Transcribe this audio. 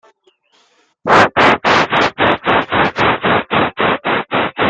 La nouvelle forme d’énergie peut être calorifique, électrique, mécanique…